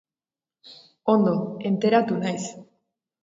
Ondo, enteratu naiz.